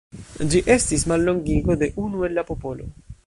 Ĝi estis mallongigo de "Unu el la popolo".